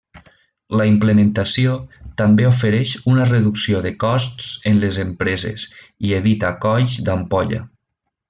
La implementació també ofereix una reducció de costs en les empreses i evita colls d'ampolla.